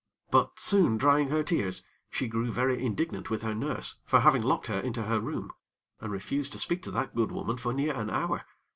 But, soon, drying her tears, she grew very indignant with her nurse for having locked her into her room, and refused to speak to that good woman for near an hour.